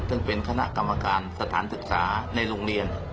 ซึ่งเป็นคณะกรรมการสถานศึกษาในโรงเรียน